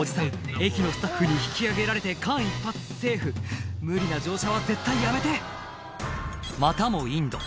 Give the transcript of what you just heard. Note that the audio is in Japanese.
駅のスタッフに引き上げられて間一髪セーフ無理な乗車は絶対やめてまたもインド